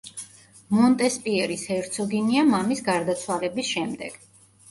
მონტესპიერის ჰერცოგინია მამის გარდაცვალების შემდეგ.